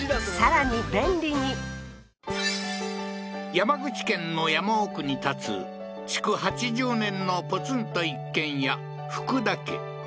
山口県の山奥に建つ築８０年のポツンと一軒家福田家